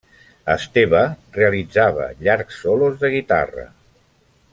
Esteve realitzava llargs solos de guitarra.